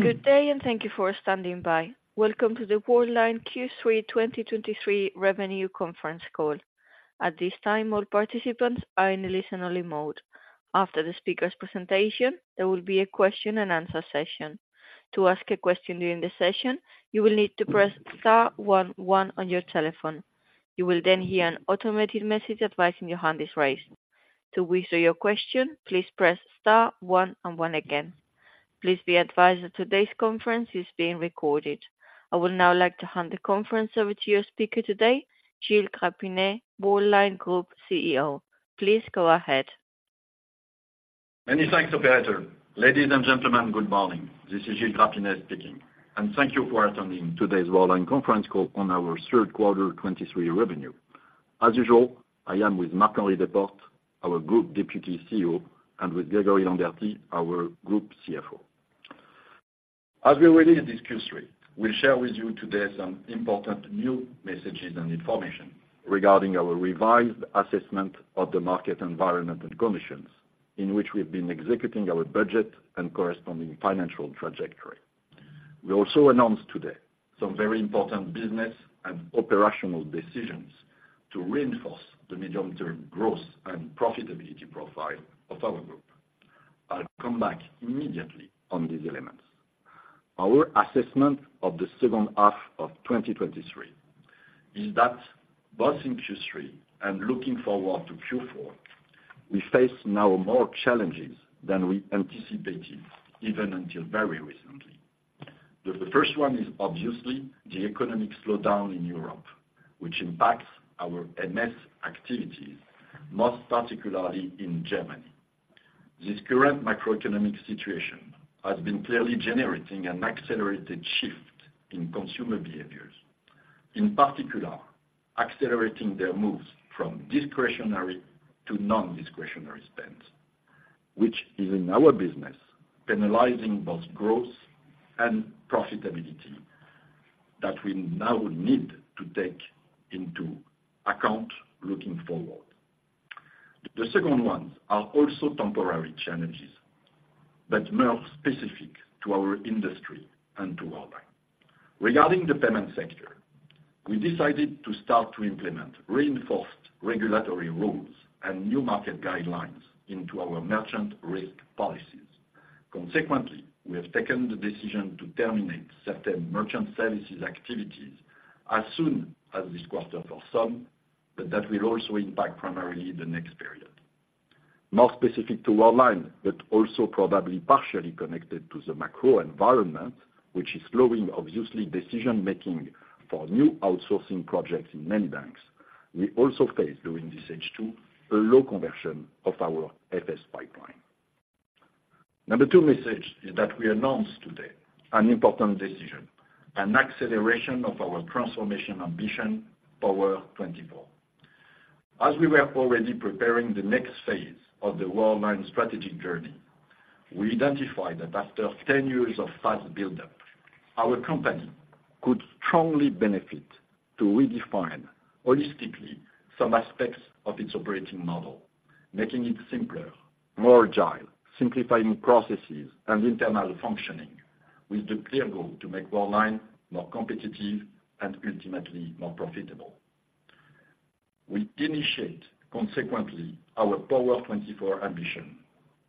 Good day, and thank you for standing by. Welcome to the Worldline Q3 2023 Revenue Conference Call. At this time, all participants are in a listen-only mode. After the speaker's presentation, there will be a question and answer session. To ask a question during the session, you will need to press star one, one on your telephone. You will then hear an automated message advising your hand is raised. To withdraw your question, please press star one and one again. Please be advised that today's conference is being recorded. I would now like to hand the conference over to your speaker today, Gilles Grapinet, Worldline Group CEO. Please go ahead. Many thanks, operator. Ladies and gentlemen, good morning. This is Gilles Grapinet speaking, and thank you for attending today's Worldline conference call on our Q3 2023 revenue. As usual, I am with Marc-Henri Desportes, our Group Deputy CEO, and with Grégory Lambertie, our Group CFO. As we release this Q3, we'll share with you today some important new messages and information regarding our revised assessment of the market environment and conditions in which we've been executing our budget and corresponding financial trajectory. We also announced today some very important business and operational decisions to reinforce the medium-term growth and profitability profile of our group. I'll come back immediately on these elements. Our assessment of the H2 of 2023 is that both in Q3 and looking forward to Q4, we face now more challenges than we anticipated, even until very recently. The first one is obviously the economic slowdown in Europe, which impacts our MS activities, most particularly in Germany. This current macroeconomic situation has been clearly generating an accelerated shift in consumer behaviors. In particular, accelerating their moves from discretionary to non-discretionary spends, which is, in our business, penalizing both growth and profitability that we now need to take into account looking forward. The second ones are also temporary challenges, but more specific to our industry and to Worldline. Regarding the payment sector, we decided to start to implement reinforced regulatory rules and new market guidelines into our merchant risk policies. Consequently, we have taken the decision to terminate certain merchant services activities as soon as this quarter for some, but that will also impact primarily the next period. More specific to Worldline, but also probably partially connected to the macro environment, which is slowing, obviously, decision-making for new outsourcing projects in many banks. We also face, during this H2, a low conversion of our FS pipeline. Number two message is that we announced today an important decision, an acceleration of our transformation ambition, Power24. As we were already preparing the next phase of the Worldline strategic journey, we identified that after 10 years of fast buildup, our company could strongly benefit to redefine holistically some aspects of its operating model, making it simpler, more agile, simplifying processes and internal functioning with the clear goal to make Worldline more competitive and ultimately more profitable. We initiate, consequently, our Power24 ambition,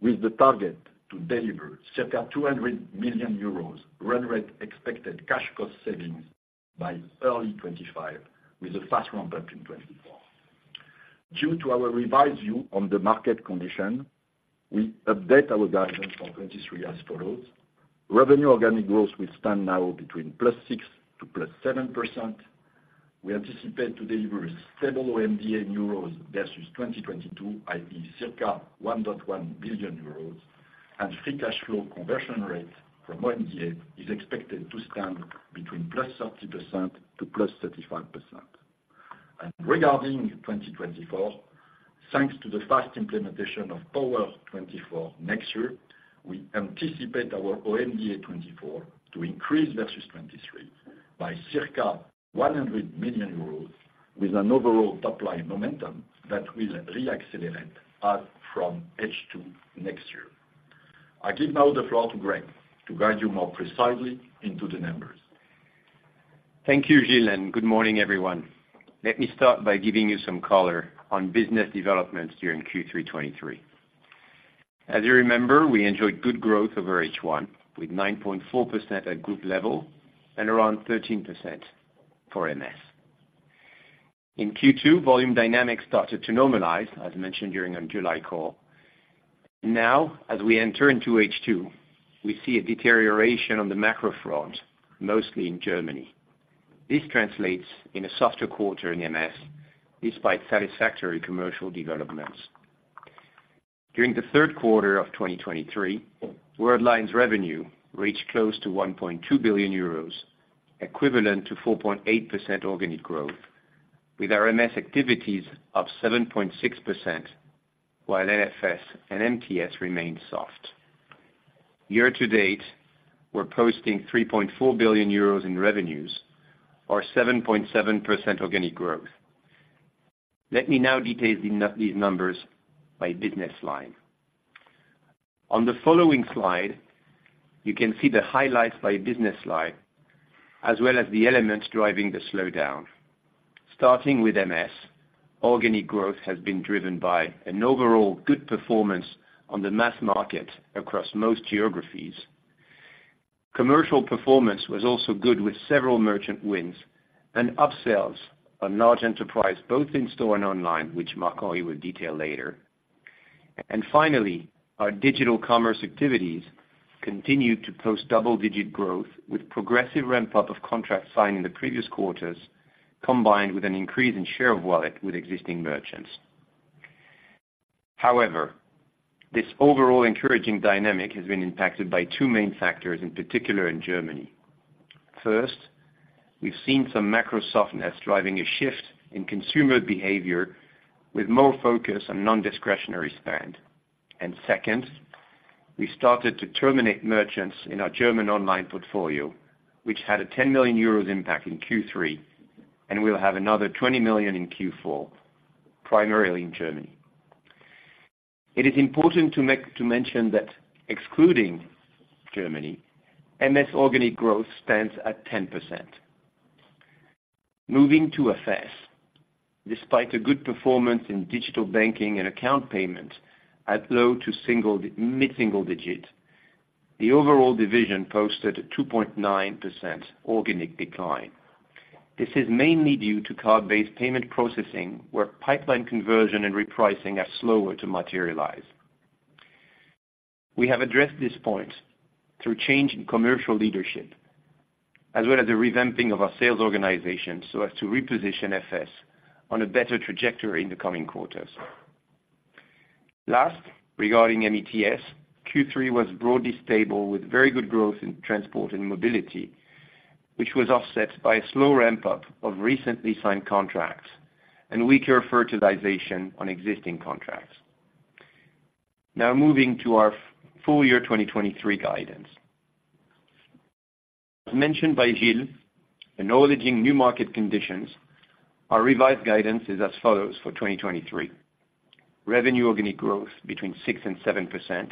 with the target to deliver circa 200 million euros run rate expected cash cost savings by early 2025, with a fast ramp-up in 2024. Due to our revised view on the market condition, we update our guidance for 2023 as follows: Revenue organic growth will stand now between +6%-+7%. We anticipate to deliver a stable OMDA euros versus 2022, i.e., circa 1.1 billion euros, and free cash flow conversion rate from OMDA is expected to stand between +30%-+35%. Regarding 2024, thanks to the fast implementation of Power24 next year, we anticipate our OMDA 2024 to increase versus 2023 by circa 100 million euros, with an overall top-line momentum that will re-accelerate as from H2 next year. I give now the floor to Greg to guide you more precisely into the numbers. Thank you, Gilles, and good morning, everyone. Let me start by giving you some color on business developments during Q3 2023. As you remember, we enjoyed good growth over H1, with 9.4% at group level and around 13% for MS. In Q2, volume dynamics started to normalize, as mentioned during our July call. Now, as we enter into H2, we see a deterioration on the macro front, mostly in Germany. This translates in a softer quarter in MS, despite satisfactory commercial developments. During the Q3 of 2023, Worldline's revenue reached close to 1.2 billion euros, equivalent to 4.8% organic growth, with our MS activities of 7.6%, while FS and MTS remained soft. Year to date, we're posting 3.4 billion euros in revenues, or 7.7% organic growth. Let me now detail these numbers by business line. On the following slide, you can see the highlights by business line, as well as the elements driving the slowdown. Starting with MS, organic growth has been driven by an overall good performance on the mass market across most geographies. Commercial performance was also good, with several merchant wins and upsells on large enterprise, both in store and online, which Marco will detail later. And finally, our digital commerce activities continued to post double-digit growth, with progressive ramp-up of contracts signed in the previous quarters, combined with an increase in share of wallet with existing merchants. However, this overall encouraging dynamic has been impacted by two main factors, in particular in Germany. First, we've seen some macro softness driving a shift in consumer behavior with more focus on non-discretionary spend. And second, we started to terminate merchants in our German online portfolio, which had a 10 million euros impact in Q3, and we'll have another 20 million in Q4, primarily in Germany. It is important to make, to mention that excluding Germany, MS organic growth stands at 10%. Moving to FS. Despite a good performance in digital banking and account payment at low to mid-single digit, the overall division posted a 2.9% organic decline. This is mainly due to card-based payment processing, where pipeline conversion and repricing are slower to materialize. We have addressed this point through change in commercial leadership, as well as the revamping of our sales organization, so as to reposition FS on a better trajectory in the coming quarters. Last, regarding MeTS, Q3 was broadly stable, with very good growth in transport and mobility, which was offset by a slow ramp-up of recently signed contracts and weaker fertilization on existing contracts. Now moving to our full year 2023 guidance. As mentioned by Gilles, acknowledging new market conditions, our revised guidance is as follows for 2023: revenue organic growth between 6%-7%,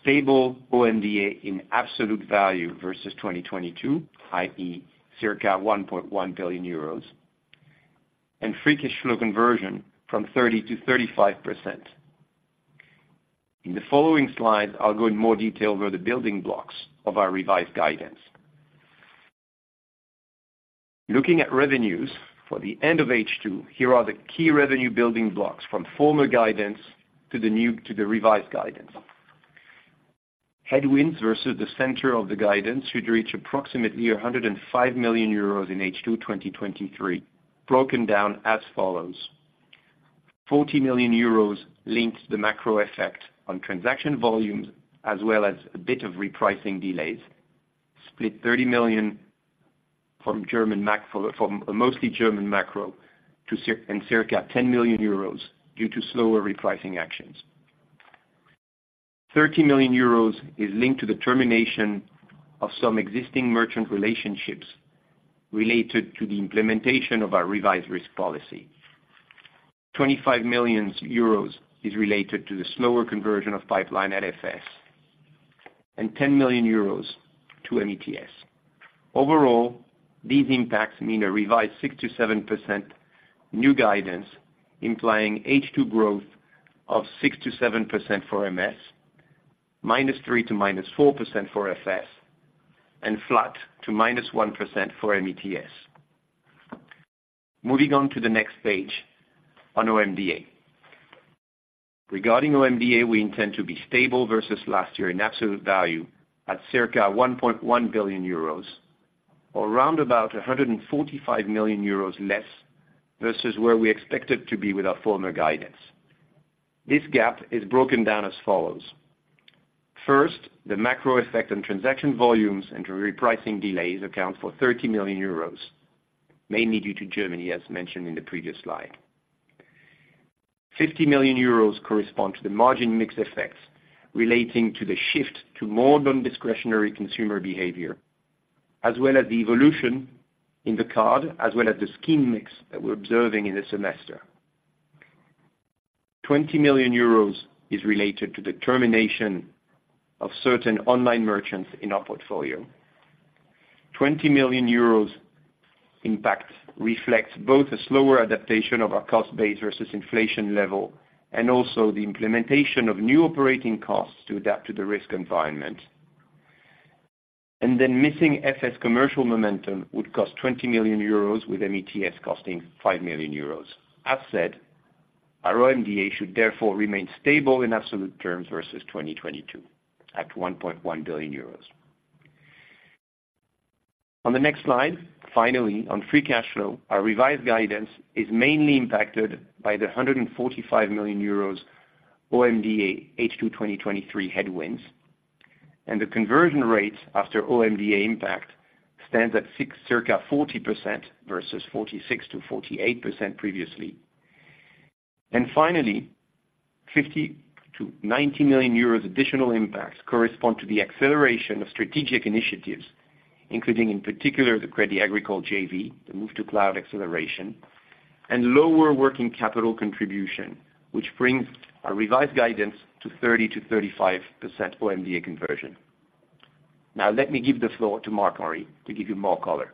stable OMDA in absolute value versus 2022, i.e., circa 1.1 billion euros, and free cash flow conversion from 30%-35%. In the following slide, I'll go in more detail over the building blocks of our revised guidance. Looking at revenues for the end of H2, here are the key revenue building blocks from former guidance to the new—to the revised guidance. Headwinds versus the center of the guidance should reach approximately 105 million euros in H2 2023, broken down as follows: 40 million euros linked the macro effect on transaction volumes as well as a bit of repricing delays, split 30 million from a mostly German macro to circa 10 million euros due to slower repricing actions. 30 million euros is linked to the termination of some existing merchant relationships related to the implementation of our revised risk policy. 25 million euros is related to the slower conversion of pipeline at NFS, and 10 million euros to METS. Overall, these impacts mean a revised 6%-7% new guidance, implying H2 growth of 6%-7% for MS, -3% to -4% for FS, and flat to -1% for METS. Moving on to the next page on OMDA. Regarding OMDA, we intend to be stable versus last year in absolute value at circa 1.1 billion euros, or around about 145 million euros less, versus where we expected to be with our former guidance. This gap is broken down as follows: first, the macro effect on transaction volumes and repricing delays account for 30 million euros, mainly due to Germany, as mentioned in the previous slide. 50 million euros correspond to the margin mix effects relating to the shift to more non-discretionary consumer behavior, as well as the evolution in the card, as well as the scheme mix that we're observing in the semester. 20 million euros is related to the termination of certain online merchants in our portfolio. 20 million euros impact reflects both a slower adaptation of our cost base versus inflation level, and also the implementation of new operating costs to adapt to the risk environment. Missing FS commercial momentum would cost 20 million euros, with MeTS costing 5 million euros. As said, our OMDA should therefore remain stable in absolute terms versus 2022, at 1.1 billion euros. On the next slide, finally, on free cash flow, our revised guidance is mainly impacted by the 145 million euros OMDA H2 2023 headwinds, and the conversion rate after OMDA impact stands at 60, circa 40% versus 46%-48% previously. And finally, 50 million-90 million euros additional impacts correspond to the acceleration of strategic initiatives, including, in particular, the Crédit Agricole JV, the move to cloud acceleration, and lower working capital contribution, which brings our revised guidance to 30%-35% OMDA conversion. Now let me give the floor to Marc-Henri to give you more color.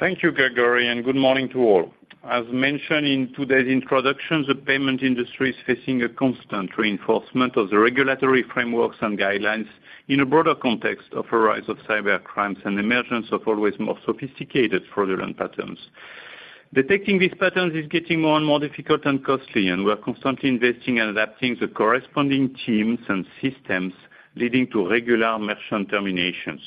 Thank you, Grégory, and good morning to all. As mentioned in today's introduction, the payment industry is facing a constant reinforcement of the regulatory frameworks and guidelines in a broader context of a rise of cyber crimes and emergence of always more sophisticated fraudulent patterns. Detecting these patterns is getting more and more difficult and costly, and we are constantly investing and adapting the corresponding teams and systems, leading to regular merchant terminations.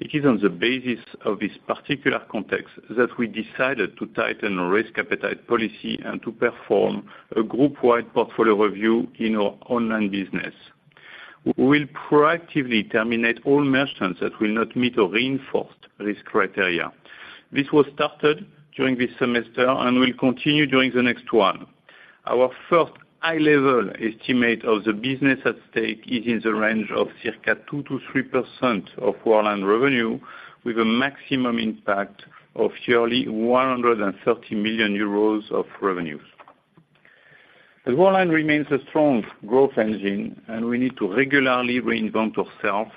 It is on the basis of this particular context that we decided to tighten our risk appetite policy and to perform a group-wide portfolio review in our online business. We will proactively terminate all merchants that will not meet our reinforced risk criteria. This was started during this semester and will continue during the next one. Our first high-level estimate of the business at stake is in the range of circa 2%-3% of Worldline revenue, with a maximum impact of yearly 130 million euros of revenues. The Worldline remains a strong growth engine, and we need to regularly reinvent ourselves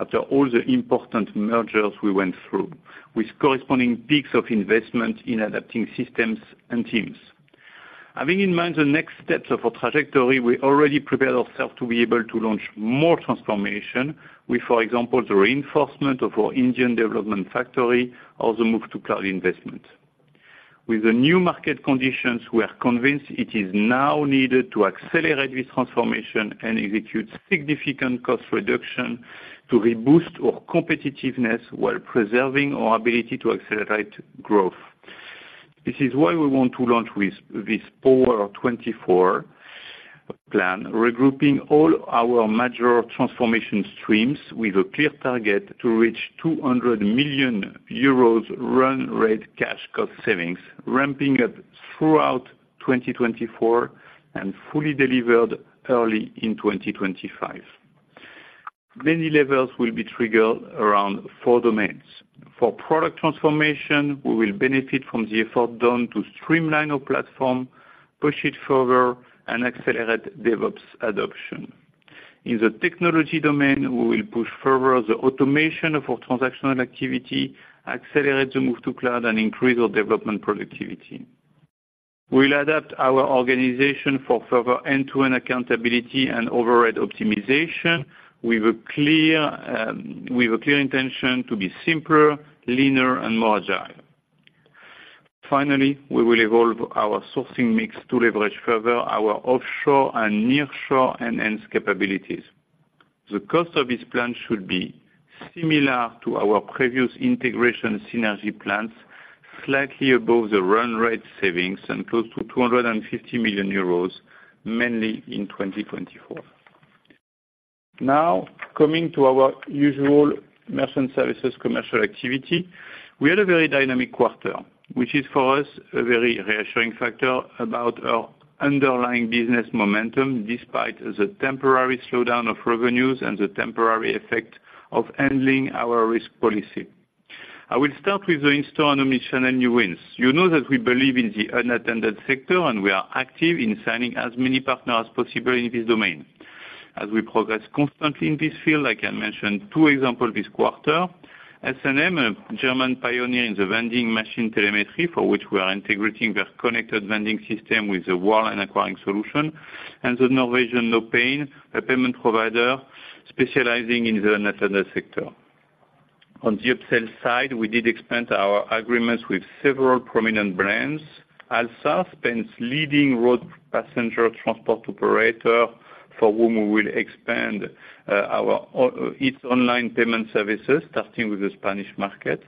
after all the important mergers we went through, with corresponding peaks of investment in adapting systems and teams. Having in mind the next steps of our trajectory, we already prepared ourselves to be able to launch more transformation with, for example, the reinforcement of our Indian development factory or the move to cloud investment. With the new market conditions, we are convinced it is now needed to accelerate this transformation and execute significant cost reduction to reboost our competitiveness while preserving our ability to accelerate growth. This is why we want to launch with this Power24 plan, regrouping all our major transformation streams with a clear target to reach 200 million euros run rate cash cost savings, ramping up throughout 2024 and fully delivered early in 2025. Many levels will be triggered around four domains. For product transformation, we will benefit from the effort done to streamline our platform, push it further, and accelerate DevOps adoption. In the technology domain, we will push further the automation of our transactional activity, accelerate the move to cloud, and increase our development productivity. We'll adapt our organization for further end-to-end accountability and overhead optimization with a clear intention to be simpler, leaner, and more agile. Finally, we will evolve our sourcing mix to leverage further our offshore and nearshore enhanced capabilities. The cost of this plan should be similar to our previous integration synergy plans, slightly above the run rate savings and close to 250 million euros, mainly in 2024. Now, coming to our usual merchant services commercial activity, we had a very dynamic quarter, which is, for us, a very reassuring factor about our underlying business momentum, despite the temporary slowdown of revenues and the temporary effect of handling our risk policy. I will start with the install and omni-channel new wins. You know that we believe in the unattended sector, and we are active in signing as many partners as possible in this domain. As we progress constantly in this field, I can mention two examples this quarter. S&M, a German pioneer in the vending machine telemetry, for which we are integrating their connected vending system with the Worldline acquiring solution, and the Norwegian OPay, a payment provider specializing in the unattended sector. On the upsell side, we did expand our agreements with several prominent brands. Alsa, Spain's leading road passenger transport operator, for whom we will expand its online payment services, starting with the Spanish market.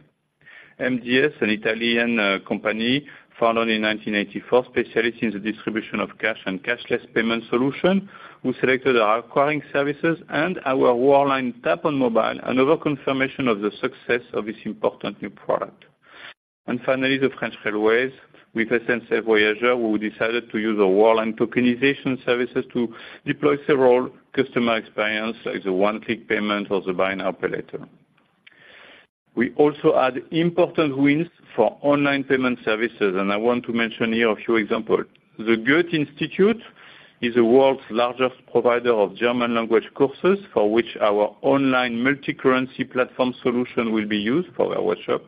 MGS, an Italian, company founded in 1984, specializing in the distribution of cash and cashless payment solution, who selected our acquiring services and our Worldline Tap on Mobile, another confirmation of the success of this important new product. And finally, the French Railways, with SNCF Voyageurs, who decided to use the Worldline tokenization services to deploy several customer experience, like the one-click payment or the buy now pay later. We also had important wins for online payment services, and I want to mention here a few examples. The Goethe-Institut is the world's largest provider of German language courses, for which our online multicurrency platform solution will be used for our workshop.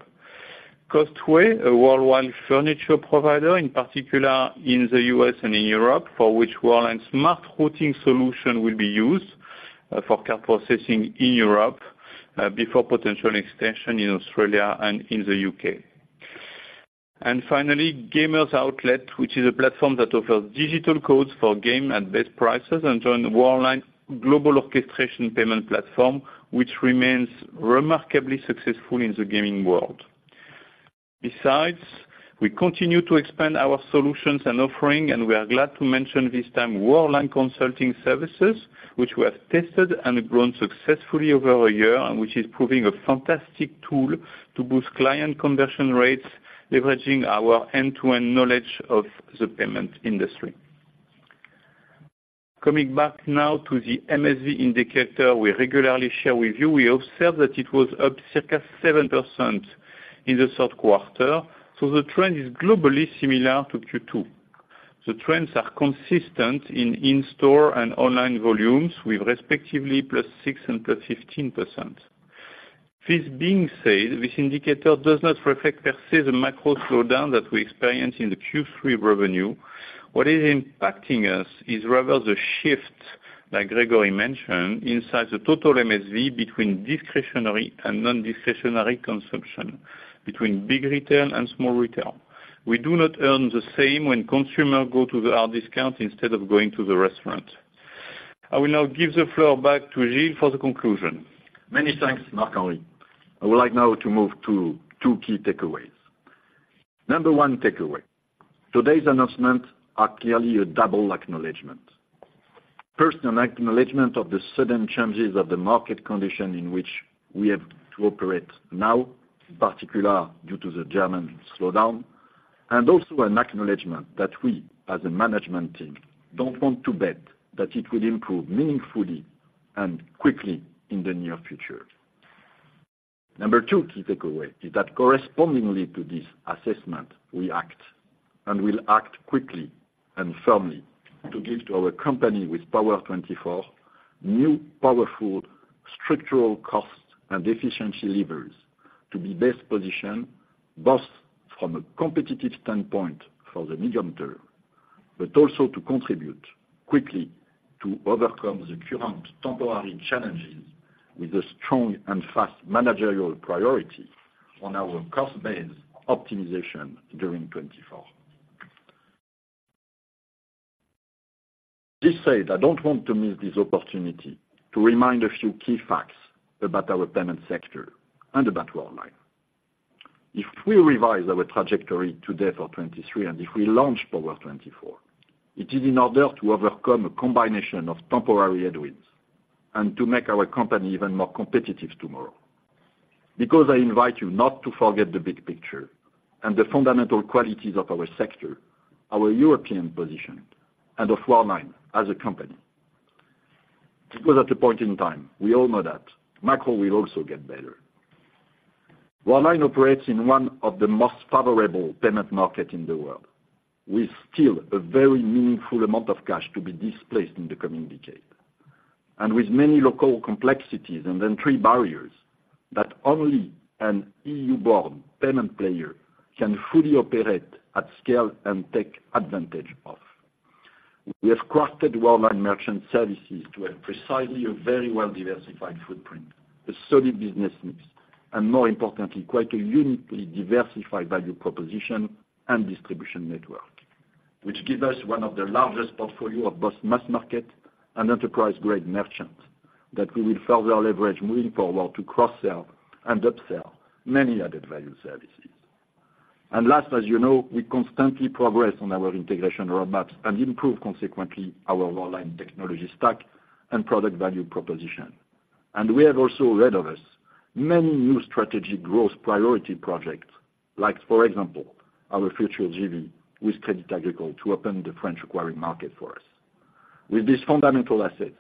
Costway, a worldwide furniture provider, in particular in the U.S. and in Europe, for which Worldline's smart routing solution will be used, for card processing in Europe, before potential extension in Australia and in the U.K. And finally, Gamers Outlet, which is a platform that offers digital codes for game at best prices and joined the Worldline global orchestration payment platform, which remains remarkably successful in the gaming world. Besides, we continue to expand our solutions and offering, and we are glad to mention this time Worldline Consulting Services, which we have tested and grown successfully over a year, and which is proving a fantastic tool to boost client conversion rates, leveraging our end-to-end knowledge of the payment industry. Coming back now to the MSV indicator we regularly share with you, we observed that it was up circa 7% in the Q3, so the trend is globally similar to Q2. The trends are consistent in in-store and online volumes, with respectively +6% and +15%. This being said, this indicator does not reflect per se the macro slowdown that we experienced in the Q3 revenue. What is impacting us is rather the shift, like Grégory mentioned, inside the total MSV between discretionary and non-discretionary consumption, between big retail and small retail. We do not earn the same when consumers go to the hard discount instead of going to the restaurant. I will now give the floor back to Gilles for the conclusion. Many thanks, Marc-Henri. I would like now to move to two key takeaways. Number one takeaway, today's announcements are clearly a double acknowledgment. First, an acknowledgment of the sudden changes of the market condition in which we have to operate now, in particular, due to the German slowdown, and also an acknowledgment that we, as a management team, don't want to bet that it will improve meaningfully and quickly in the near future. Number two key takeaway is that correspondingly to this assessment, we act, and we'll act quickly and firmly to give to our company with Power24, new, powerful structural costs and efficiency levers to be best positioned, both from a competitive standpoint for the medium term, but also to contribute quickly to overcome the current temporary challenges with a strong and fast managerial priority on our cost base optimization during 2024. This said, I don't want to miss this opportunity to remind a few key facts about our payment sector and about Worldline. If we revise our trajectory today for 2023, and if we launch Power24, it is in order to overcome a combination of temporary headwinds and to make our company even more competitive tomorrow. Because I invite you not to forget the big picture and the fundamental qualities of our sector, our European position, and of Worldline as a company. Because at a point in time, we all know that macro will also get better. Worldline operates in one of the most favorable payment market in the world, with still a very meaningful amount of cash to be displaced in the coming decade, and with many local complexities and entry barriers that only an EU-born payment player can fully operate at scale and take advantage of. We have crafted Worldline Merchant Services to have precisely a very well-diversified footprint, a solid business mix, and more importantly, quite a uniquely diversified value proposition and distribution network, which give us one of the largest portfolio of both mass market and enterprise-grade merchants, that we will further leverage moving forward to cross-sell and upsell many added value services. And last, as you know, we constantly progress on our integration roadmaps and improve, consequently, our Worldline technology stack and product value proposition. And we have also ahead of us many new strategic growth priority projects, like for example, our future JV with Crédit Agricole to open the French acquiring market for us. With these fundamental assets,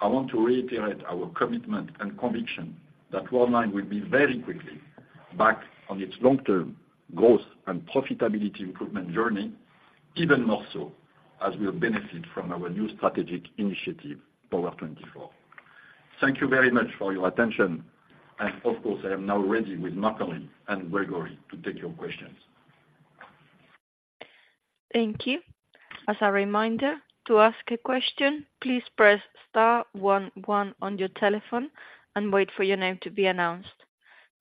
I want to reiterate our commitment and conviction that Worldline will be very quickly back on its long-term growth and profitability improvement journey, even more so as we benefit from our new strategic initiative, Power24. Thank you very much for your attention. Of course, I am now ready with Marc-Henri and Grégory to take your questions. Thank you. As a reminder, to ask a question, please press star one, one on your telephone and wait for your name to be announced.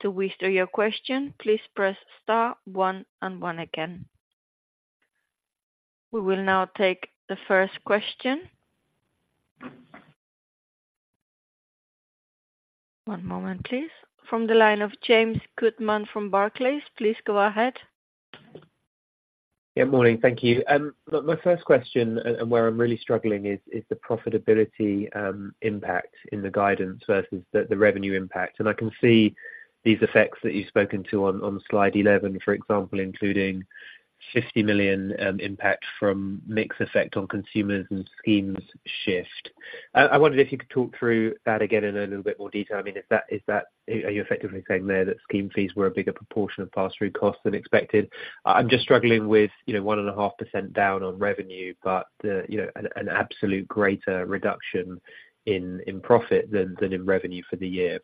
To withdraw your question, please press star one and one again. We will now take the first question. One moment, please. From the line of James Goodman from Barclays, please go ahead. Yeah, morning. Thank you. My first question, and where I'm really struggling is the profitability impact in the guidance versus the revenue impact. And I can see these effects that you've spoken to on slide 11, for example, including 50 million impact from mix effect on consumers and schemes shift. I wondered if you could talk through that again in a little bit more detail. I mean, is that, are you effectively saying there that scheme fees were a bigger proportion of pass-through costs than expected? I'm just struggling with, you know, 1.5% down on revenue, but, you know, an absolute greater reduction in profit than in revenue for the year.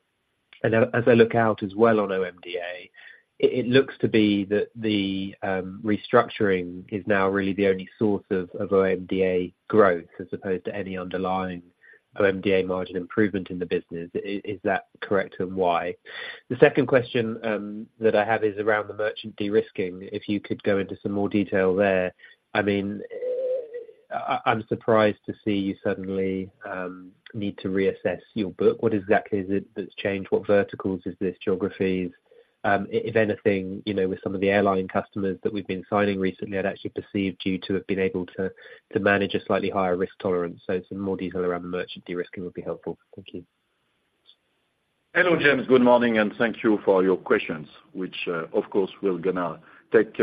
As I look out as well on OMDA, it looks to be that the restructuring is now really the only source of OMDA growth, as opposed to any underlying OMDA margin improvement in the business. Is that correct, and why? The second question that I have is around the merchant de-risking, if you could go into some more detail there. I mean, I'm surprised to see you suddenly need to reassess your book. What exactly is it that's changed? What verticals is this, geographies? If anything, you know, with some of the airline customers that we've been signing recently, I'd actually perceived you to have been able to manage a slightly higher risk tolerance. So some more detail around the merchant de-risking would be helpful. Thank you.... Hello, James. Good morning, and thank you for your questions, which, of course, we're gonna take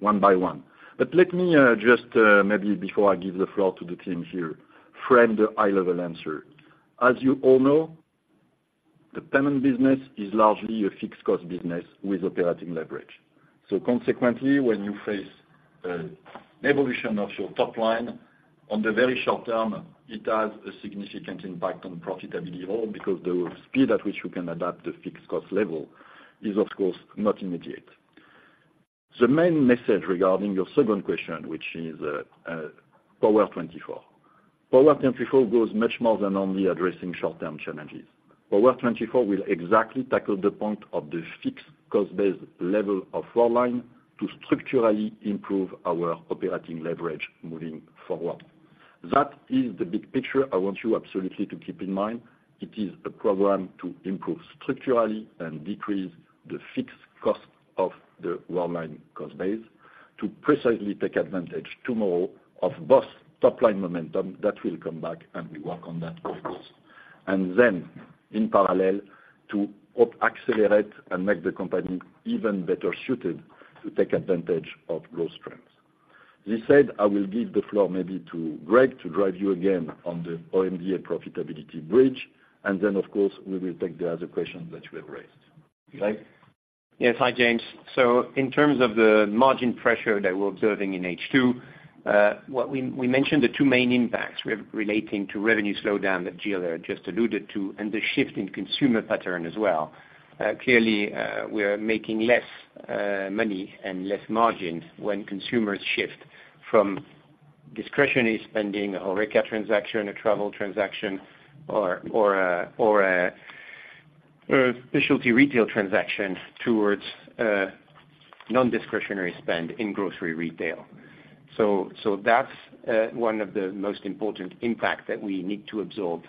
one by one. But let me just maybe before I give the floor to the team here, frame the high level answer. As you all know, the payment business is largely a fixed cost business with operating leverage. So consequently, when you face evolution of your top line, on the very short term, it has a significant impact on profitability at all, because the speed at which you can adapt the fixed cost level is, of course, not immediate. The main message regarding your second question, which is Power24. Power24 goes much more than only addressing short-term challenges. Power24 will exactly tackle the point of the fixed cost base level of Worldline to structurally improve our operating leverage moving forward. That is the big picture I want you absolutely to keep in mind. It is a program to improve structurally and decrease the fixed cost of the Worldline cost base to precisely take advantage tomorrow of both top line momentum that will come back, and we work on that, of course. And then, in parallel, to help accelerate and make the company even better suited to take advantage of growth trends. This said, I will give the floor maybe to Greg, to drive you again on the OMDA profitability bridge, and then, of course, we will take the other questions that you have raised. Greg? Yes, hi, James. So in terms of the margin pressure that we're observing in H2, what we mentioned the two main impacts we have relating to revenue slowdown that Gilles just alluded to, and the shift in consumer pattern as well. Clearly, we are making less money and less margins when consumers shift from discretionary spending, a HoReCa transaction, a travel transaction, or a specialty retail transaction towards non-discretionary spend in grocery retail. So that's one of the most important impacts that we need to absorb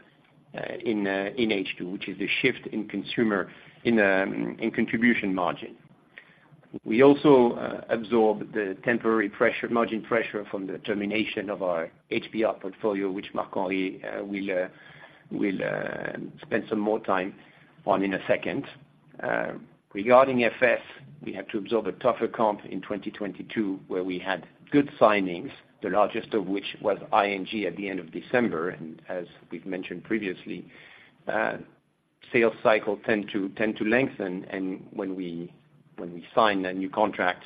in H2, which is a shift in consumer contribution margin. We also absorb the temporary pressure, margin pressure from the termination of our HBR portfolio, which Marc-Henri will spend some more time on in a second. Regarding FS, we had to absorb a tougher comp in 2022, where we had good signings, the largest of which was ING at the end of December. As we've mentioned previously, sales cycle tends to lengthen, and when we sign a new contract,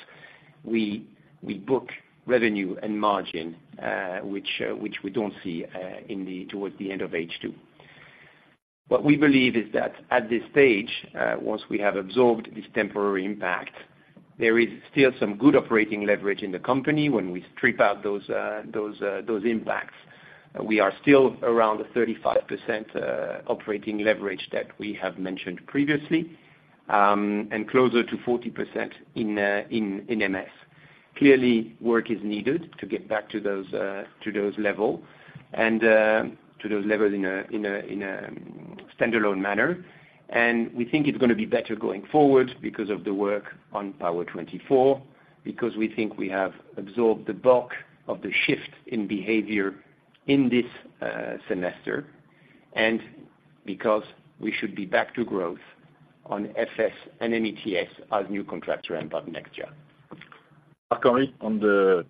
we book revenue and margin, which we don't see towards the end of H2. What we believe is that at this stage, once we have absorbed this temporary impact, there is still some good operating leverage in the company. When we strip out those impacts, we are still around the 35% operating leverage that we have mentioned previously, and closer to 40% in MS. Clearly, work is needed to get back to those levels in a standalone manner. We think it's gonna be better going forward because of the work on Power24, because we think we have absorbed the bulk of the shift in behavior in this semester, and because we should be back to growth on FS and METS as new contracts ramp up next year. Marc-Henri, on the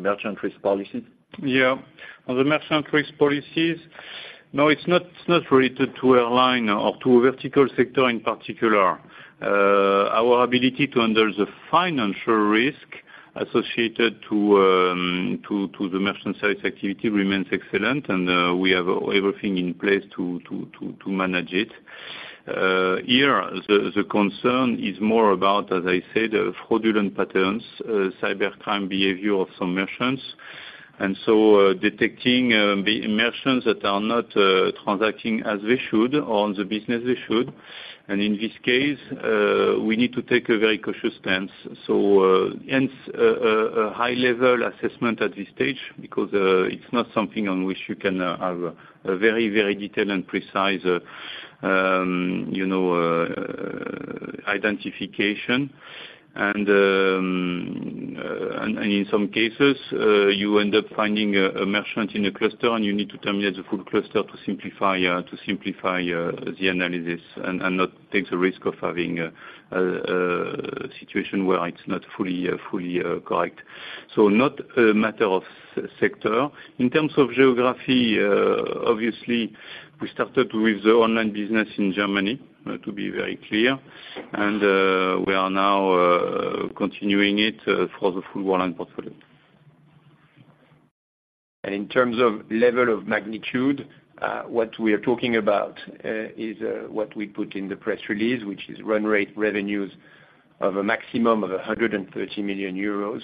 merchant risk policies? Yeah. On the merchant risk policies, no, it's not, it's not related to a line or to a vertical sector in particular. Our ability to handle the financial risk associated to the merchant service activity remains excellent, and we have everything in place to manage it. Here, the concern is more about, as I said, fraudulent patterns, cybercrime behavior of some merchants. And so, detecting the merchants that are not transacting as they should on the business they should, and in this case, we need to take a very cautious stance. So, hence, a high level assessment at this stage, because it's not something on which you can have a very, very detailed and precise, you know, identification. In some cases, you end up finding a merchant in a cluster, and you need to terminate the full cluster to simplify the analysis and not take the risk of having a situation where it's not fully correct. So not a matter of sector. In terms of geography, obviously, we started with the online business in Germany, to be very clear, and we are now continuing it for the full Worldline portfolio. In terms of level of magnitude, what we are talking about is what we put in the press release, which is run rate revenues of a maximum of 130 million euros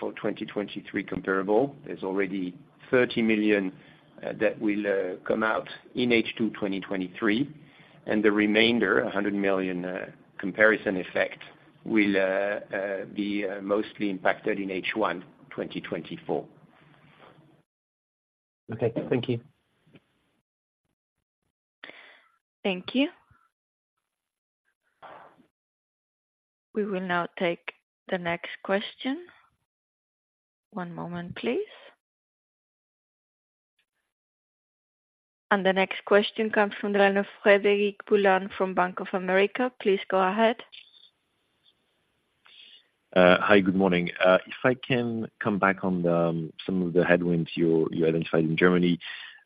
for 2023 comparable. There's already 30 million that will come out in H2 2023, and the remainder, 100 million comparison effect, will be mostly impacted in H1 2024. Okay, thank you. Thank you... We will now take the next question. One moment, please. The next question comes from the line of Frederic Boulan from Bank of America. Please go ahead. Hi, good morning. If I can come back on some of the headwinds you identified in Germany,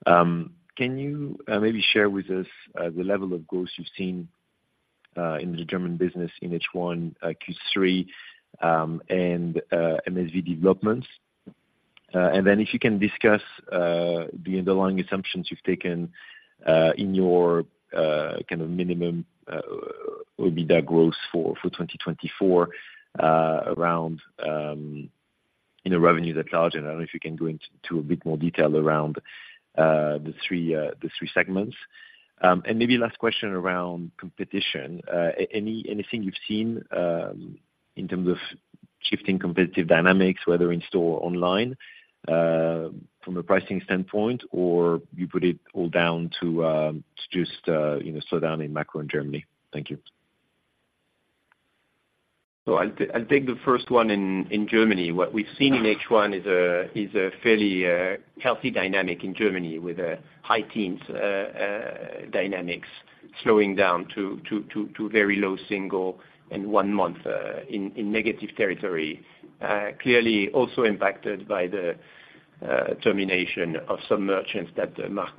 can you maybe share with us the level of growth you've seen in the German business in H1, Q3, and MSV developments? And then if you can discuss the underlying assumptions you've taken in your kind of minimum EBITDA growth for 2024, around, you know, revenues at large. And I don't know if you can go into a bit more detail around the three segments. And maybe last question around competition. Anything you've seen, in terms of shifting competitive dynamics, whether in-store or online, from a pricing standpoint, or you put it all down to, to just, you know, slowdown in macro in Germany? Thank you. So I'll take the first one in Germany. What we've seen in H1 is a fairly healthy dynamic in Germany, with high teens dynamics slowing down to very low single and one month in negative territory. Clearly also impacted by the termination of some merchants that Marc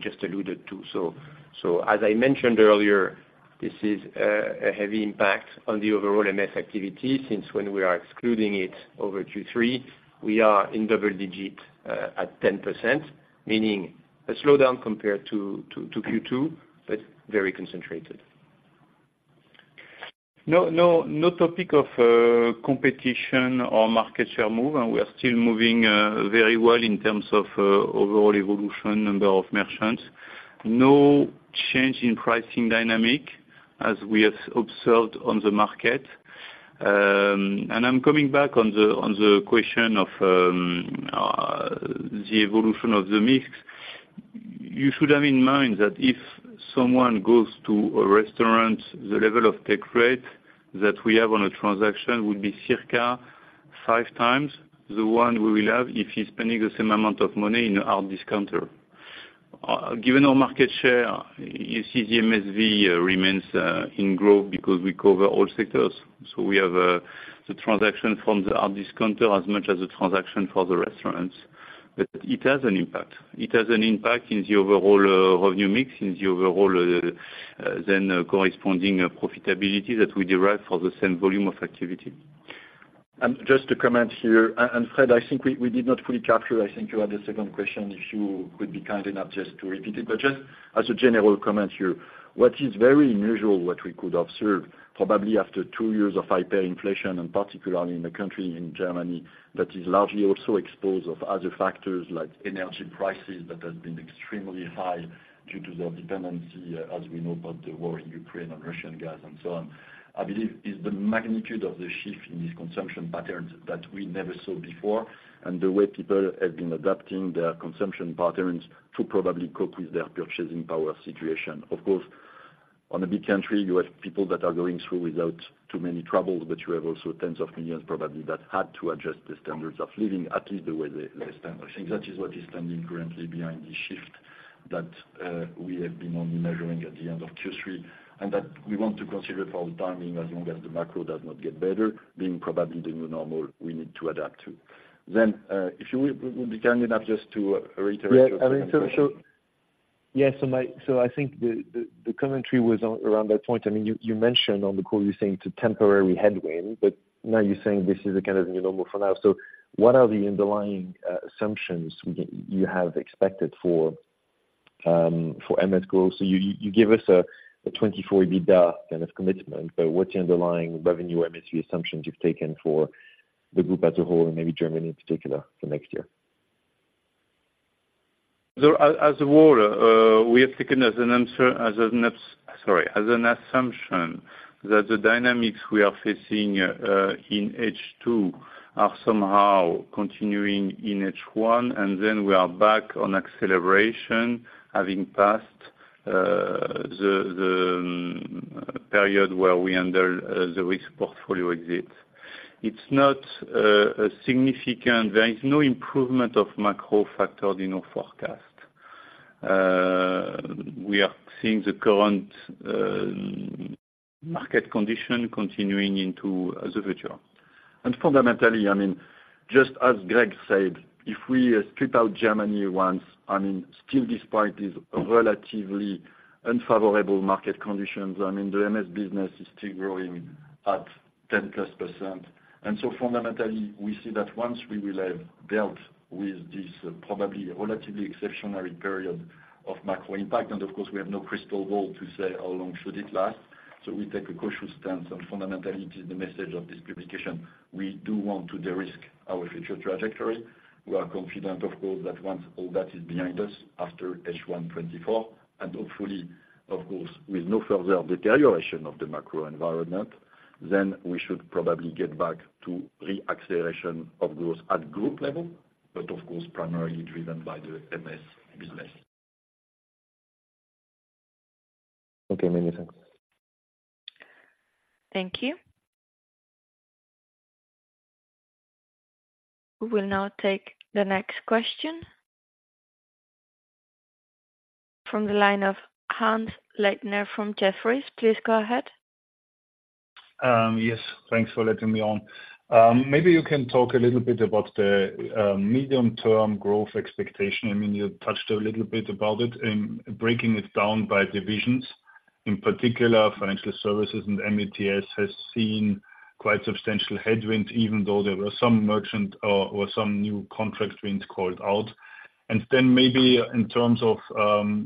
just alluded to. So as I mentioned earlier, this is a heavy impact on the overall MS activity, since when we are excluding it over Q3, we are in double-digit at 10%, meaning a slowdown compared to Q2, but very concentrated. No, no, no topic of competition or market share move, and we are still moving very well in terms of overall evolution, number of merchants. No change in pricing dynamic, as we have observed on the market. And I'm coming back on the, on the question of the evolution of the mix. You should have in mind that if someone goes to a restaurant, the level of take rate that we have on a transaction would be circa five times the one we will have if he's spending the same amount of money in our discounter. Given our market share, you see the MSV remains in growth because we cover all sectors, so we have the transaction from the hard discounter as much as the transaction for the restaurants. But it has an impact. It has an impact in the overall revenue mix, in the overall than corresponding profitability that we derive for the same volume of activity. Just to comment here, and Fred, I think we did not fully capture. I think you had a second question, if you could be kind enough just to repeat it. But just as a general comment here, what is very unusual, what we could observe, probably after two years of hyperinflation, and particularly in the country, in Germany, that is largely also exposed of other factors like energy prices, that has been extremely high due to the dependency, as we know about the war in Ukraine and Russian gas and so on. I believe it's the magnitude of the shift in these consumption patterns that we never saw before, and the way people have been adapting their consumption patterns to probably cope with their purchasing power situation. Of course, on a big country, you have people that are going through without too many troubles, but you have also tens of millions, probably, that had to adjust the standards of living, at least the way they, they spend. I think that is what is standing currently behind the shift that we have been only measuring at the end of Q3, and that we want to consider for the timing, as long as the macro does not get better, being probably the new normal we need to adapt to. Then, if you would be kind enough just to reiterate- Yeah, I think so. Yes, so my—so I think the commentary was around that point. I mean, you mentioned on the call, you're saying it's a temporary headwind, but now you're saying this is a kind of a new normal for now. So what are the underlying assumptions you have expected for MS growth? So you give us a 24 EBITDA kind of commitment, but what's the underlying revenue MSV assumptions you've taken for the group as a whole, and maybe Germany in particular, for next year? So as a whole, we have taken as an assumption that the dynamics we are facing in H2 are somehow continuing in H1, and then we are back on acceleration, having passed the period where we under the risk portfolio exit. It's not a significant. There is no improvement of macro factors in our forecast. We are seeing the current market condition continuing into the future. Fundamentally, I mean, just as Greg said, if we strip out Germany once, I mean, still despite these relatively unfavorable market conditions, I mean, the MS business is still growing at 10%+. And so fundamentally, we see that once we will have dealt with this probably relatively exceptional period of macro impact, and of course, we have no crystal ball to say how long should it last, so we take a cautious stance on fundamentally the message of this publication. We do want to de-risk our future trajectory. We are confident, of course, that once all that is behind us, after H1 2024, and hopefully, of course, with no further deterioration of the macro environment, then we should probably get back to re-acceleration of growth at group level, but of course, primarily driven by the MS business.... Okay, many thanks. Thank you. We will now take the next question from the line of Hannes Leitner from Jefferies. Please go ahead. Yes, thanks for letting me on. Maybe you can talk a little bit about the medium-term growth expectation. I mean, you touched a little bit about it in breaking it down by divisions, in particular, financial services and MTS has seen quite substantial headwinds, even though there were some merchant or some new contract wins called out. And then maybe in terms of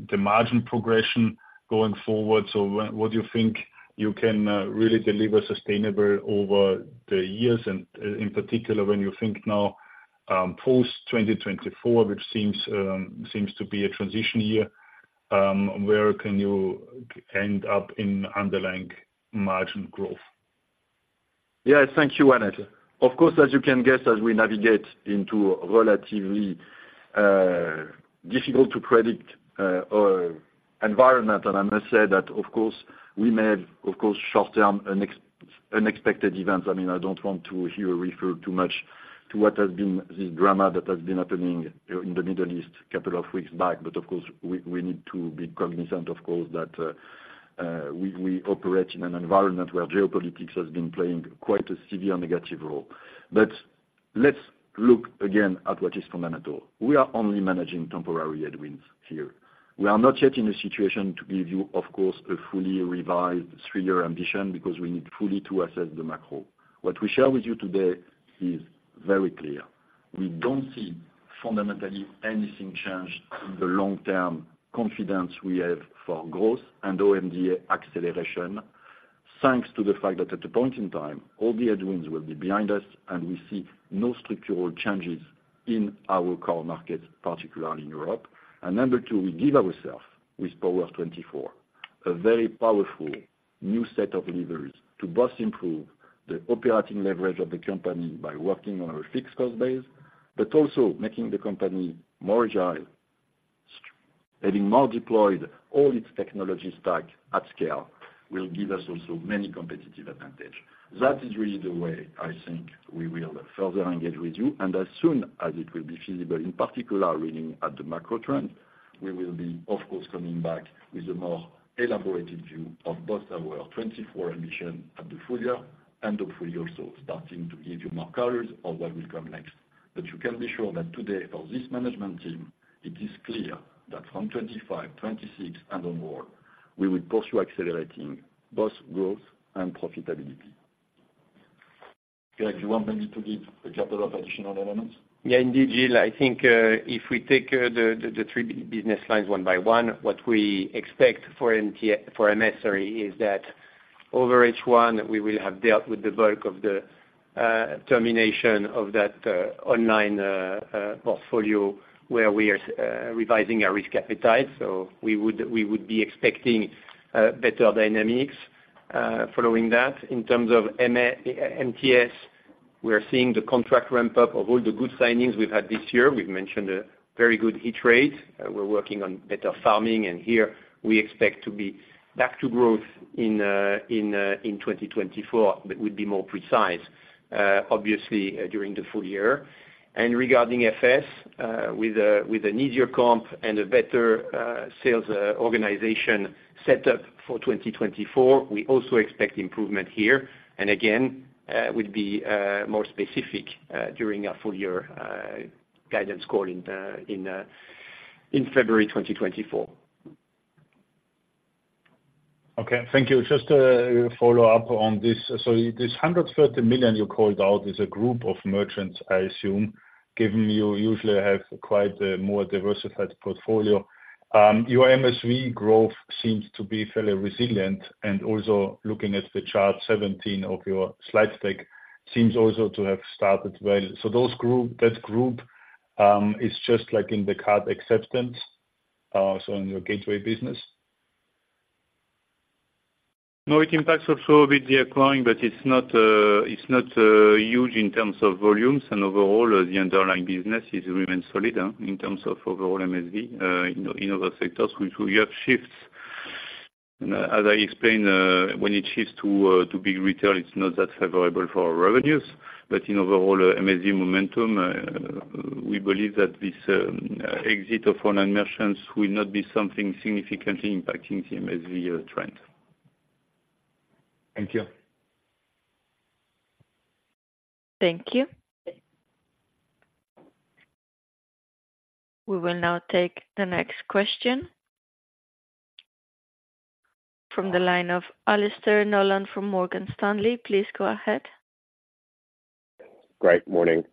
the margin progression going forward, so what do you think you can really deliver sustainable over the years? And in particular, when you think now, post-2024, which seems to be a transition year, where can you end up in underlying margin growth? Yeah. Thank you, Hans. Of course, as you can guess, as we navigate into relatively difficult to predict environment, and I must say that, of course, we may have, of course, short-term unexpected events. I mean, I don't want to here refer too much to what has been this drama that has been happening in the Middle East couple of weeks back. But of course, we need to be cognizant, of course, that we operate in an environment where geopolitics has been playing quite a severe negative role. But let's look again at what is fundamental. We are only managing temporary headwinds here. We are not yet in a situation to give you, of course, a fully revised three-year ambition, because we need fully to assess the macro. What we share with you today is very clear. We don't see fundamentally anything changed in the long-term confidence we have for growth and OMDA acceleration, thanks to the fact that at a point in time, all the headwinds will be behind us, and we see no structural changes in our core markets, particularly in Europe. And number two, we give ourself, with Power24, a very powerful new set of levers to both improve the operating leverage of the company by working on our fixed cost base, but also making the company more agile, having more deployed all its technology stack at scale, will give us also many competitive advantage. That is really the way I think we will further engage with you. And as soon as it will be feasible, in particular, looking at the macro trend, we will be of course, coming back with a more elaborated view of both our 2024 ambition at the full year, and hopefully also starting to give you more colors of what will come next. But you can be sure that today, for this management team, it is clear that from 2025, 2026, and onward, we will pursue accelerating both growth and profitability. Yeah, do you want maybe to give a couple of additional elements? Yeah, indeed, Gilles, I think if we take the three business lines one by one, what we expect for MS, sorry, is that over H1, we will have dealt with the bulk of the termination of that online portfolio, where we are revising our risk appetite. So we would be expecting better dynamics following that. In terms of MTS, we are seeing the contract ramp up of all the good signings we've had this year. We've mentioned a very good hit rate. We're working on better farming, and here we expect to be back to growth in 2024. But we'll be more precise, obviously, during the full year. And regarding FS, with an easier comp and a better sales organization set up for 2024, we also expect improvement here. And again, we'll be more specific during our full year guidance call in February 2024. Okay, thank you. Just a follow-up on this. So this 130 million you called out is a group of merchants, I assume, given you usually have quite a more diversified portfolio. Your MSV growth seems to be fairly resilient, and also looking at chart 17 of your slide deck, seems also to have started well. So that group is just like in the card acceptance, so in your gateway business? No, it impacts also with the acquiring, but it's not, it's not, huge in terms of volumes and overall, the underlying business is, remains solid, in terms of overall MSV, in, in other sectors, which we have shifts. And as I explained, when it shifts to, to big retail, it's not that favorable for our revenues. But in overall MSV momentum, we believe that this, exit of online merchants will not be something significantly impacting the MSV, trend. Thank you. Thank you. We will now take the next question from the line of Alastair Nolan from Morgan Stanley. Please go ahead. Good morning.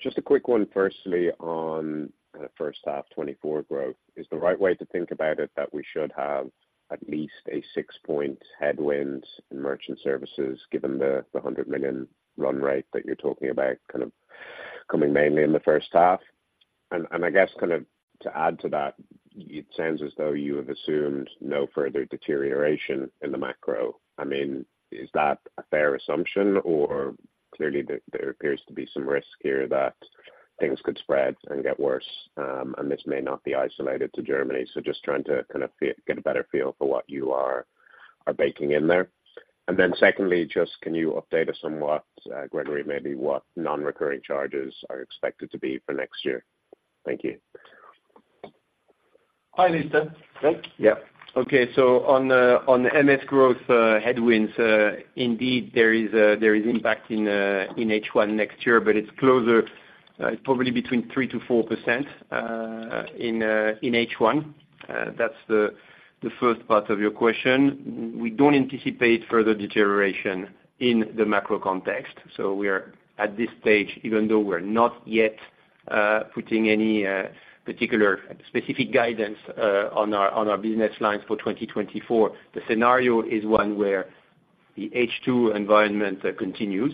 Just a quick one, firstly, on the H1 2024 growth. Is the right way to think about it, that we should have at least a six-point headwind in merchant services, given the hundred million run rate that you're talking about, kind of coming mainly in the H1? And I guess kind of to add to that, it sounds as though you have assumed no further deterioration in the macro. I mean, is that a fair assumption, or clearly there appears to be some risk here that things could spread and get worse, and this may not be isolated to Germany. So just trying to kind of feel, get a better feel for what you are baking in there. And then secondly, just can you update us on what, Gregory, maybe what non-recurring charges are expected to be for next year? Thank you. Hi, Alastair. Thanks, yeah. Okay, so on the MS growth headwinds, indeed, there is impact in H1 next year, but it's closer, probably between 3%-4% in H1. That's the first part of your question. We don't anticipate further deterioration in the macro context. So we are at this stage, even though we're not yet putting any particular specific guidance on our business lines for 2024, the scenario is one where the H2 environment continues.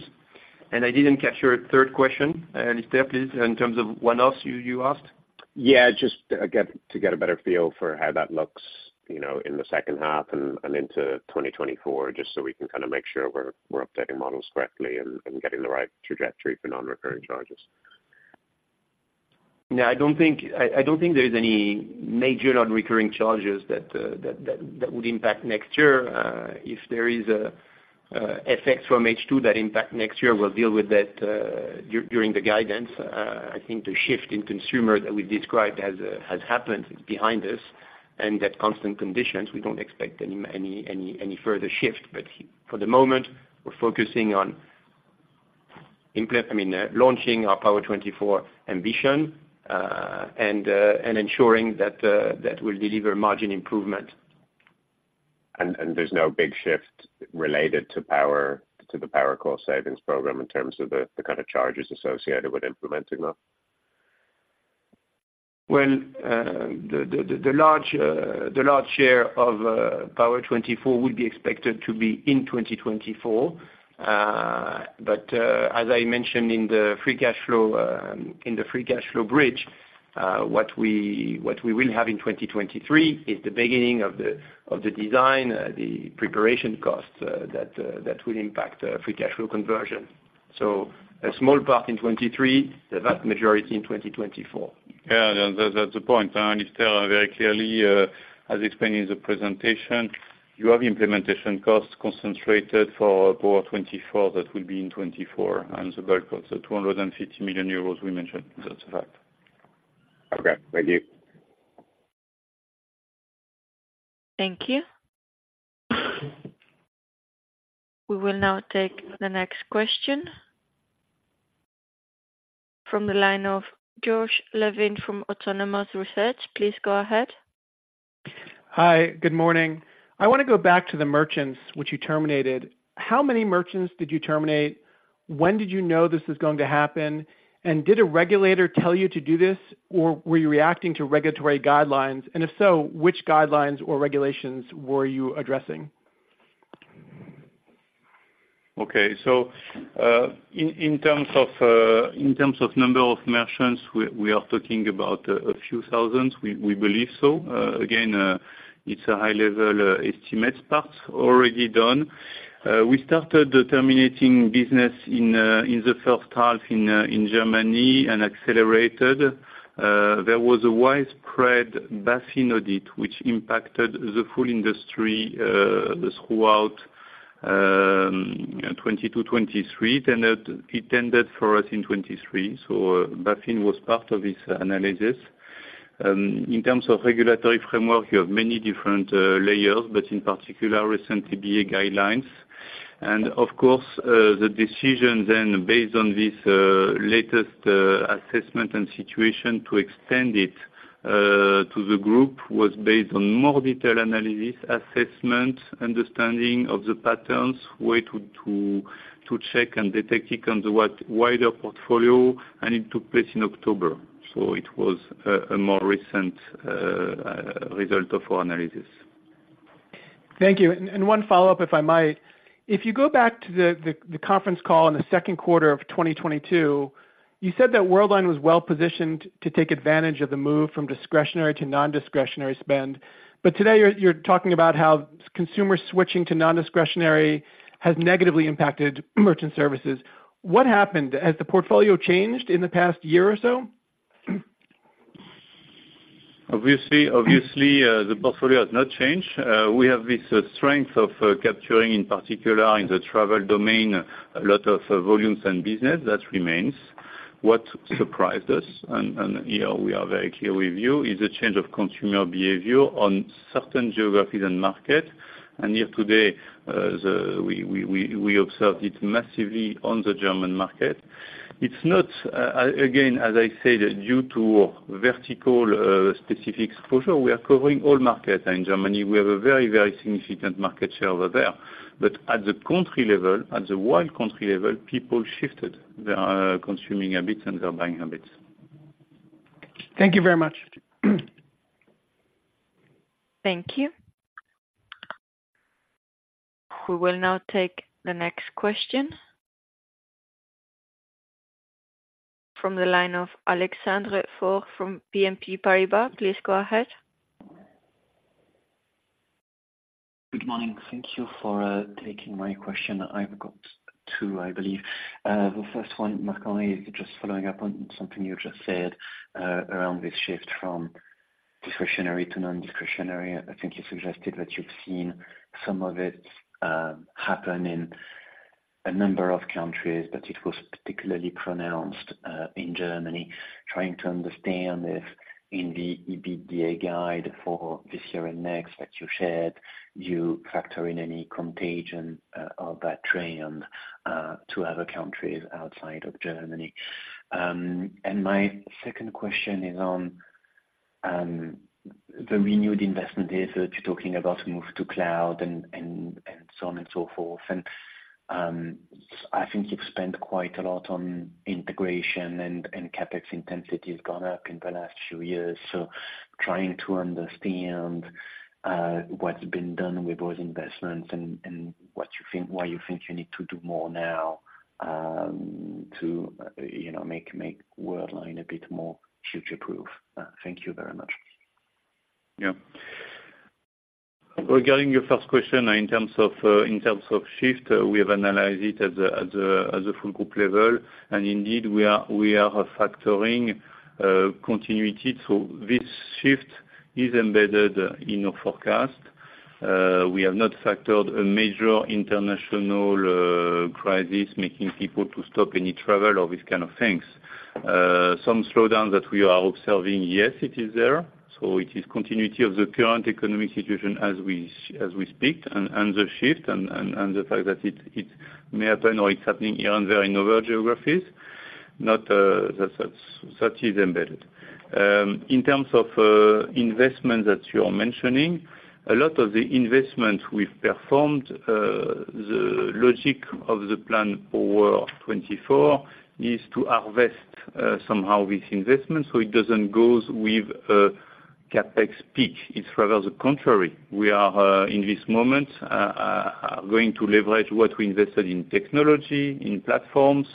And I didn't catch your third question, Lisa, please, in terms of what else you asked? Yeah, just to get a better feel for how that looks, you know, in the H2 and into 2024, just so we can kind of make sure we're updating models correctly and getting the right trajectory for non-recurring charges. Yeah, I don't think there is any major non-recurring charges that would impact next year. If there is a effect from H2 that impact next year, we'll deal with that during the guidance. I think the shift in consumer that we've described has happened behind us, and that constant conditions, we don't expect any further shift. But for the moment, we're focusing on—I mean, launching our Power24 ambition, and ensuring that will deliver margin improvement. There's no big shift related to Power24, to the Power24 core savings program in terms of the kind of charges associated with implementing that? Well, the large share of Power24 will be expected to be in 2024. But as I mentioned in the free cash flow, in the free cash flow bridge, what we will have in 2023 is the beginning of the design, the preparation costs, that will impact free cash flow conversion. So a small part in 2023, the vast majority in 2024. Yeah, that's the point. And still very clearly, as explained in the presentation, you have implementation costs concentrated for Power24, that will be in 2024, and the bulk of the 250 million euros we mentioned. That's a fact. Okay, thank you. Thank you. We will now take the next question from the line of Josh Levine from Autonomous Research. Please go ahead. Hi, good morning. I want to go back to the merchants which you terminated. How many merchants did you terminate? When did you know this was going to happen? And did a regulator tell you to do this, or were you reacting to regulatory guidelines? And if so, which guidelines or regulations were you addressing? Okay, so, in terms of number of merchants, we are talking about a few thousands. We believe so. Again, it's a high level estimate, but already done. We started the terminating business in the H1 in Germany and accelerated. There was a widespread BaFin audit, which impacted the full industry throughout 2020-2023, and it ended for us in 2023. So BaFin was part of this analysis. In terms of regulatory framework, you have many different layers, but in particular, recent EBA guidelines. Of course, the decision then, based on this latest assessment and situation to extend it to the group, was based on more detailed analysis, assessment, understanding of the patterns, where to check and detect it on the wider portfolio, and it took place in October. It was a more recent result of our analysis. Thank you. And one follow-up, if I might: If you go back to the conference call in the Q2 of 2022, you said that Worldline was well positioned to take advantage of the move from discretionary to non-discretionary spend. But today, you're talking about how consumer switching to non-discretionary has negatively impacted merchant services. What happened? Has the portfolio changed in the past year or so? Obviously, obviously, the portfolio has not changed. We have this strength of capturing, in particular in the travel domain, a lot of volumes and business. That remains. What surprised us, and here we are very clear with you, is the change of consumer behavior on certain geographies and market. Here today, we observed it massively on the German market. It's not, again, as I said, due to vertical specific exposure. We are covering all markets in Germany. We have a very, very significant market share over there. But at the country level, at the whole country level, people shifted their consuming habits and their buying habits. Thank you very much. Thank you. We will now take the next question from the line of Alexandre Faure from BNP Paribas. Please go ahead.... Good morning. Thank you for taking my question. I've got two, I believe. The first one, Marco, is just following up on something you just said around this shift from discretionary to non-discretionary. I think you suggested that you've seen some of it happen in a number of countries, but it was particularly pronounced in Germany. Trying to understand if in the OMDA guidance for this year and next, that you shared, do you factor in any contagion of that trend to other countries outside of Germany? And my second question is on the renewed investment effort. You're talking about move to cloud and so on and so forth. And I think you've spent quite a lot on integration, and CapEx intensity has gone up in the last few years. So trying to understand what's been done with those investments and what you think, why you think you need to do more now, to you know make Worldline a bit more future-proof. Thank you very much. Yeah. Regarding your first question, in terms of shift, we have analyzed it at the full group level. And indeed, we are factoring continuity. So this shift is embedded in our forecast. We have not factored a major international crisis, making people to stop any travel or these kind of things. Some slowdown that we are observing, yes, it is there. So it is continuity of the current economic situation as we speak, and the shift and the fact that it may happen, or it's happening here and there in our geographies, not, that's, that is embedded. In terms of investment that you're mentioning, a lot of the investment we've performed, the logic of the plan for 2024 is to harvest somehow this investment, so it doesn't goes with a CapEx peak. It's rather the contrary. We are in this moment going to leverage what we invested in technology, in platforms,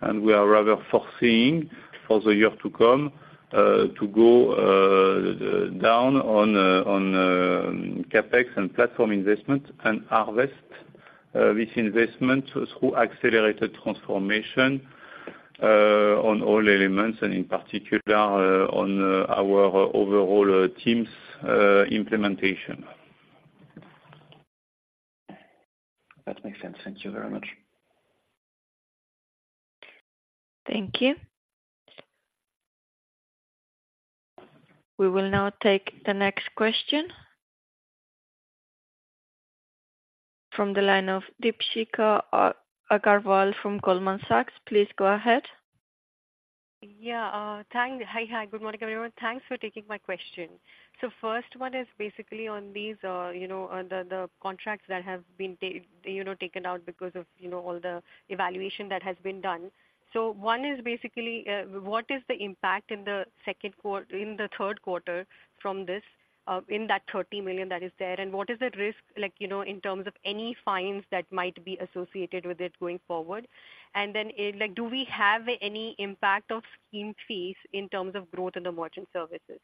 and we are rather foreseeing for the year to come to go down on CapEx and platform investment, and harvest this investment through accelerated transformation on all elements and in particular on our overall teams implementation. That makes sense. Thank you very much. Thank you. We will now take the next question. From the line of Deepshika Agarwal from Goldman Sachs, please go ahead. Hi. Hi, good morning, everyone. Thanks for taking my question. So first one is basically on these, you know, on the, the contracts that have been taken out because of, you know, all the evaluation that has been done. So one is basically, what is the impact in the Q3 from this, in that 30 million that is there? And what is at risk, like, you know, in terms of any fines that might be associated with it going forward? And then, like, do we have any impact of scheme fees in terms of growth in the merchant services?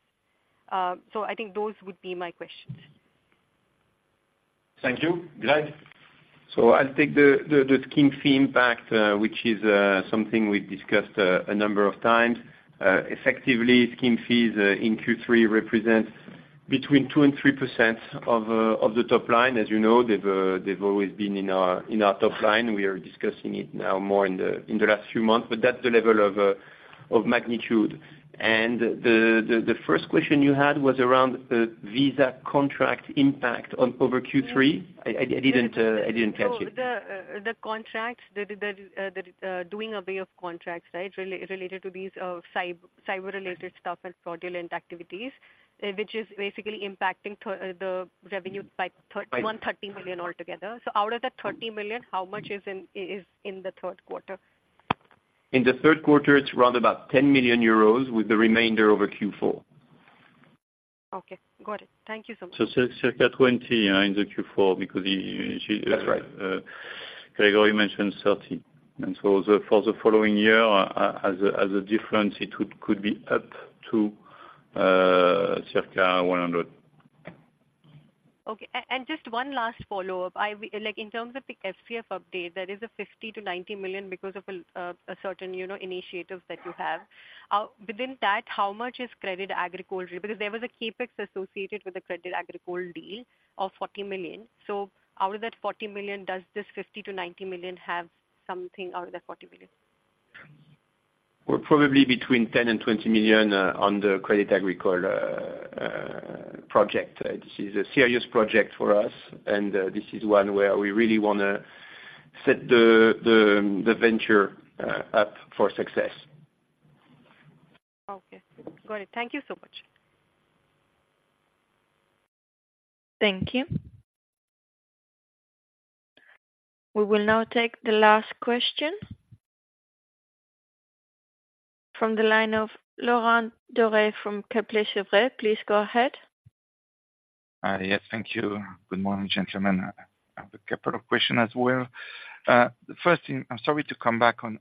So I think those would be my questions. Thank you. Greg? So I'll take the scheme fee impact, which is something we've discussed a number of times. Effectively, scheme fees in Q3 represent between 2% and 3% of the top line. As you know, they've always been in our top line. We are discussing it now more in the last few months, but that's the level of magnitude. And the first question you had was around Visa contract impact on over Q3? I didn't catch it. So the contract, doing away of contracts, right, related to these cyber-related stuff and fraudulent activities, which is basically impacting the revenue by 30 million altogether. So out of that 30 million, how much is in the Q3? In the Q3, it's around about 10 million euros with the remainder over Q4. Okay, got it. Thank you so much. So circa 20 in the Q4, because he- That's right... Gregory mentioned 30. And so, for the following year, as a difference, it could be up to circa 100. Okay, and just one last follow-up. I like, in terms of the FCF update, there is a 50 million-90 million because of a certain, you know, initiatives that you have. Within that, how much is Crédit Agricole? Because there was a CapEx associated with the Crédit Agricole deal of 40 million. So out of that 40 million, does this 50 million-90 million have something out of that 40 million? Well, probably between 10 million and 20 million on the Crédit Agricole project. This is a serious project for us, and this is one where we really wanna set the venture up for success. Okay. Got it. Thank you so much. Thank you. We will now take the last question. From the line of Laurent Daure from Kepler Cheuvreux. Please go ahead. Hi, yes, thank you. Good morning, gentlemen. I have a couple of question as well. The first thing, I'm sorry to come back on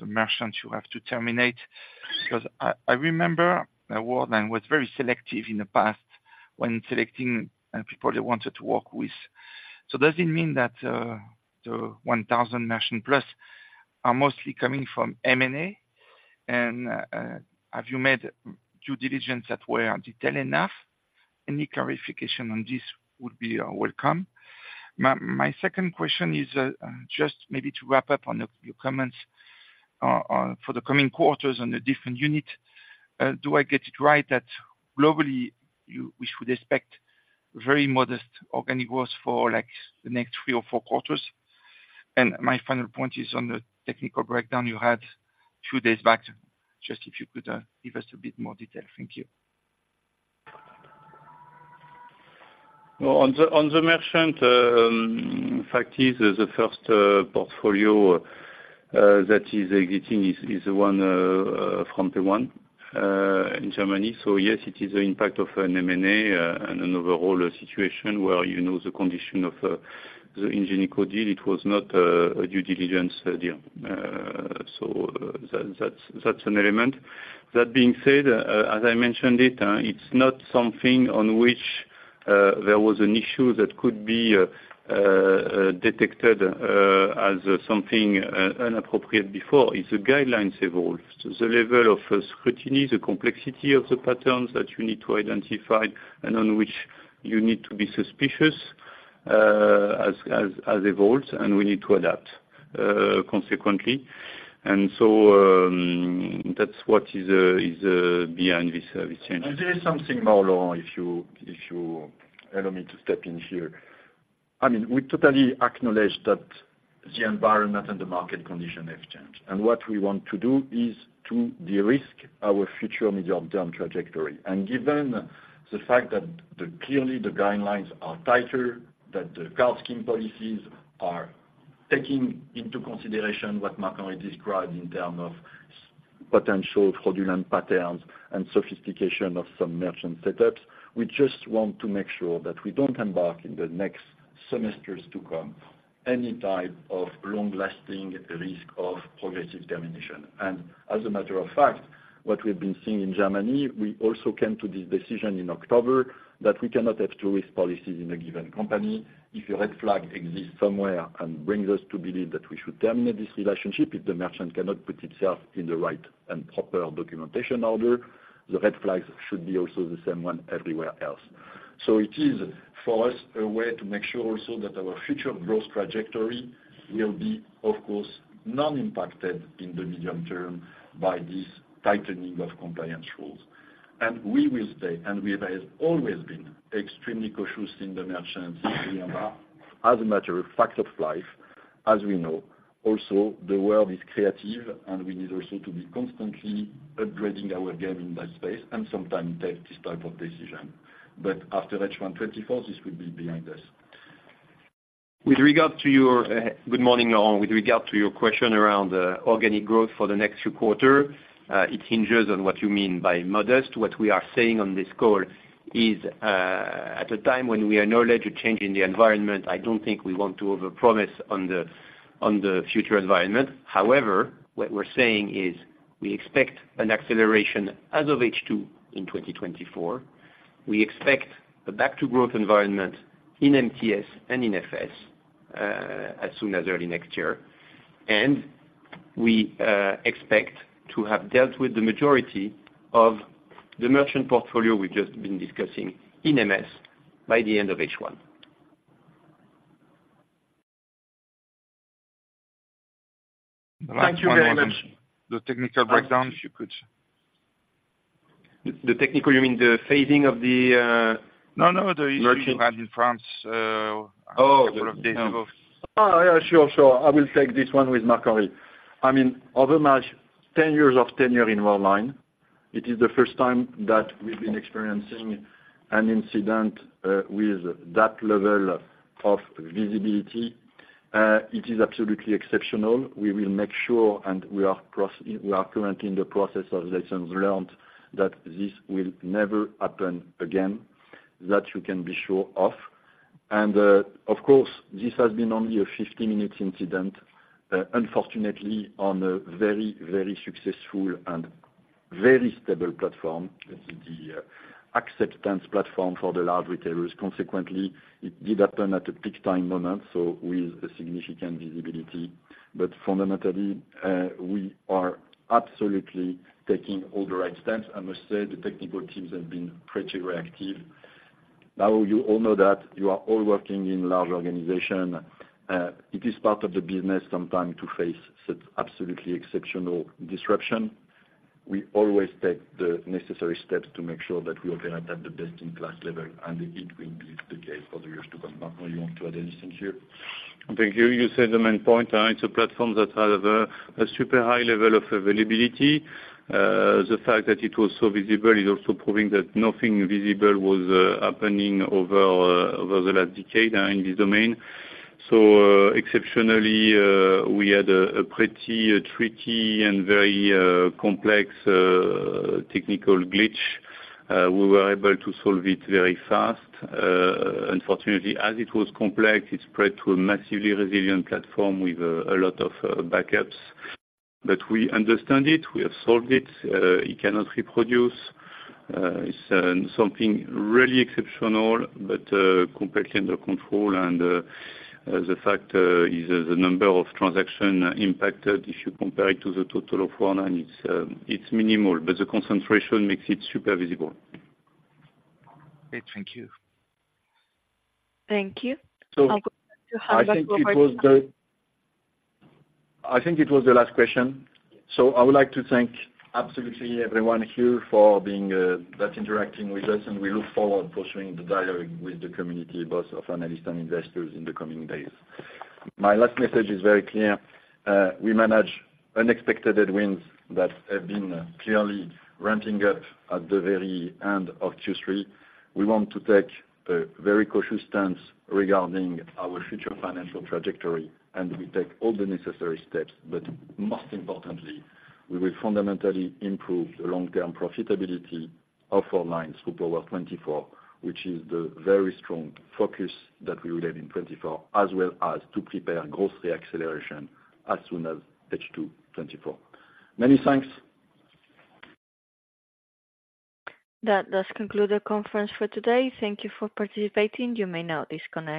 the merchants you have to terminate, because I remember that Worldline was very selective in the past when selecting people they wanted to work with. So does it mean that the 1,000 merchant plus are mostly coming from M&A? And have you made due diligence that were detailed enough? Any clarification on this would be welcome. My second question is just maybe to wrap up on your comments for the coming quarters on the different unit. Do I get it right that globally, we should expect very modest organic growth for, like, the next three or four quarters? My final point is on the technical breakdown you had two days back, just if you could, give us a bit more detail. Thank you. Well, on the merchant fact is the first portfolio that is exiting is one from PAYONE in Germany. So yes, it is the impact of an M&A and an overall situation where, you know, the condition of the Ingenico deal, it was not a due diligence deal. So that, that's an element. That being said, as I mentioned it, it's not something on which there was an issue that could be detected as something inappropriate before. It's the guidelines evolved. The level of scrutiny, the complexity of the patterns that you need to identify, and on which you need to be suspicious, as has evolved, and we need to adapt consequently. And so, that's what is behind this change. There is something more, Laurent, if you allow me to step in here. I mean, we totally acknowledge that the environment and the market conditions have changed, and what we want to do is to de-risk our future medium-term trajectory. Given the fact that the... clearly, the guidelines are tighter, that the card scheme policies are taking into consideration what Marc-Henri described in terms of potential fraudulent patterns and sophistication of some merchant setups, we just want to make sure that we don't embark in the next semesters to come, any type of long-lasting risk of progressive ammunition. As a matter of fact, what we've been seeing in Germany, we also came to this decision in October, that we cannot have tourist policies in a given company. If a red flag exists somewhere and brings us to believe that we should terminate this relationship, if the merchant cannot put itself in the right and proper documentation order, the red flags should be also the same one everywhere else. So it is, for us, a way to make sure also that our future growth trajectory will be, of course, non-impacted in the medium term by this tightening of compliance rules. And we will stay, and we have always been extremely cautious in the merchant arena, as a matter of fact of life, as we know, also, the world is creative, and we need also to be constantly upgrading our game in that space, and sometimes take this type of decision. But after H1 2024, this will be behind us. With regard to your, Good morning, Laurent. With regard to your question around organic growth for the next few quarter, it hinges on what you mean by modest. What we are saying on this call is, at a time when we are knowledgeable to change in the environment, I don't think we want to over-promise on the, on the future environment. However, what we're saying is we expect an acceleration as of H2 in 2024. We expect a back to growth environment in MTS and in FS, as soon as early next year. And we expect to have dealt with the majority of the merchant portfolio we've just been discussing in MS by the end of H1. Thank you very much. The technical breakdown, if you could? The technical, you mean the phasing of the? No, no, the issue you had in France, Oh! A couple of days ago. Oh, yeah, sure, sure. I will take this one with Marc-Henri. I mean, over my 10 years of tenure in Worldline, it is the first time that we've been experiencing an incident with that level of visibility. It is absolutely exceptional. We will make sure, and we are currently in the process of lessons learned, that this will never happen again, that you can be sure of. And, of course, this has been only a 50-minute incident, unfortunately, on a very, very successful and very stable platform, the acceptance platform for the large retailers. Consequently, it did happen at a peak time moment, so with a significant visibility. But fundamentally, we are absolutely taking all the right steps. I must say, the technical teams have been pretty reactive. Now, you all know that you are all working in large organization. It is part of the business sometimes to face such absolutely exceptional disruption. We always take the necessary steps to make sure that we operate at the best-in-class level, and it will be the case for the years to come. Marc-Henri, you want to add anything here? Thank you. You said the main point, it's a platform that has a super high level of availability. The fact that it was so visible is also proving that nothing visible was happening over the last decade in this domain. So, exceptionally, we had a pretty tricky and very complex technical glitch. We were able to solve it very fast. Unfortunately, as it was complex, it spread to a massively resilient platform with a lot of backups. But we understand it, we have solved it, it cannot reproduce. It's something really exceptional, but completely under control, and the fact is the number of transaction impacted, if you compare it to the total of online, it's minimal, but the concentration makes it super visible. Great. Thank you. Thank you. So- I'll go back to- I think it was the last question. So I would like to thank absolutely everyone here for being that interacting with us, and we look forward to pursuing the dialogue with the community, both of analysts and investors in the coming days. My last message is very clear. We manage unexpected headwinds that have been clearly ramping up at the very end of Q3. We want to take a very cautious stance regarding our future financial trajectory, and we take all the necessary steps. But most importantly, we will fundamentally improve the long-term profitability of online through Power24, which is the very strong focus that we will have in 2024, as well as to prepare grocery acceleration as soon as H2 2024. Many thanks. That does conclude the conference for today. Thank you for participating. You may now disconnect.